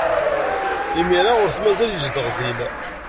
Imir-a ur t-mazal yezdeɣ din.